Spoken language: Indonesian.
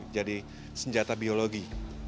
jadi senjata biologi